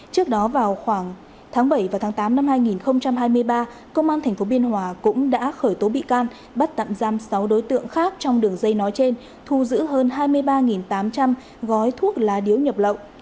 trước đó vào khoảng tháng bảy và tháng tám năm hai nghìn hai mươi ba công an tp biên hòa cũng đã khởi tố bị can bắt tạm giam sáu đối tượng khác trong đường dây nói trên thu giữ hơn hai mươi ba tám trăm linh gói thuốc lá điếu nhập lậu